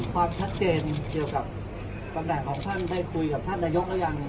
ความชัดเจนเกี่ยวกับตำแหน่งของท่านได้คุยกับท่านนายกหรือยัง